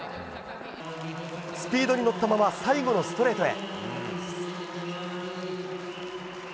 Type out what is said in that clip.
スピードに乗ったまま最後のストレートへ。